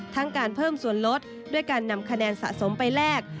การเพิ่มส่วนลดด้วยการนำคะแนนสะสมไปแลก